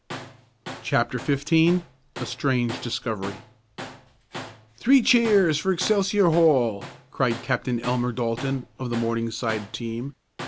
CHAPTER XV A STRANGE DISCOVERY "Three cheers for Excelsior Hall!" cried Captain Elmer Dalton of the Morningside team.